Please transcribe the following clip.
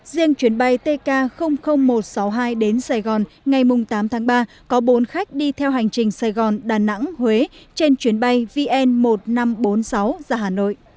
riêng chuyến bay tk một trăm sáu mươi hai đến sài gòn ngày tám tháng ba có bốn khách đi theo hành trình sài gòn đà nẵng huế trên chuyến bay vn một nghìn năm trăm bốn mươi sáu ra hà nội